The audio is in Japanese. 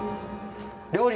料理。